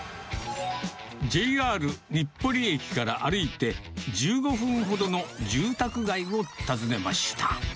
ＪＲ日暮里駅から歩いて１５分ほどの住宅街を訪ねました。